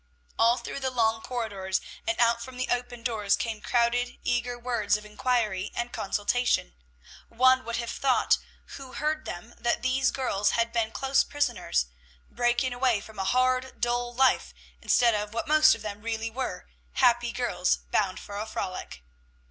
All through the long corridors and out from the open doors came crowded, eager words of inquiry and consultation. One would have thought who heard them, that these girls had been close prisoners, breaking away from a hard, dull life, instead of what most of them really were, happy girls bound for a frolic.